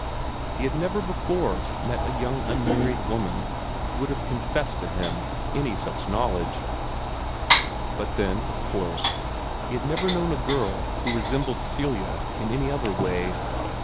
He had never before met a young unmarried woman who would have confessed to him any such knowledge. But then, of course, he had never known a girl who resembled Celia in any other way.